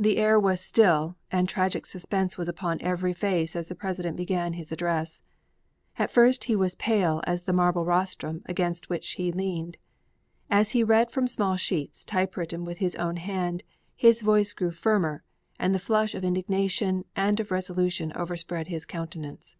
The air was still and tragic suspense was upon every face as the President began his address. At first he was pale as the marble rostrum against which he leaned. As he read from small sheets typewritten with his own hand, his voice grew firmer and the flush of indignation and of resolution overspread his countenance.